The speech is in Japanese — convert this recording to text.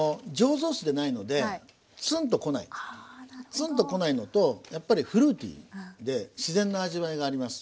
ツンと来ないのとやっぱりフルーティーで自然な味わいがあります。